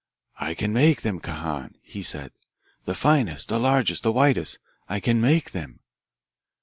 'I can make them, Kahan,' he said, 'the finest, the largest, the whitest I can make them.'"